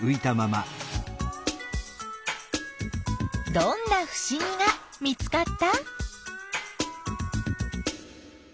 どんなふしぎが見つかった？